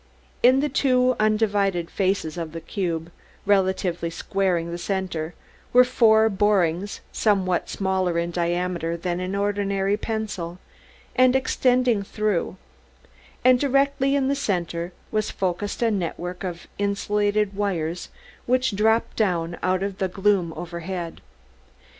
In the two undivided faces of the cube, relatively squaring the center, were four borings somewhat smaller in diameter than an ordinary pencil, and extending through; and directly in the center was focused a network of insulated wires which dropped down out of the gloom overhead.